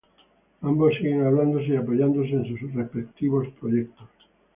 Ambos siguen hablándose y apoyándose en sus respectivos proyectos.